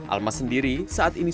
almas sendiri saat ini